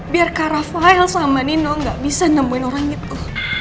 biar kak rafael sama nino gak bisa nemuin orang gitu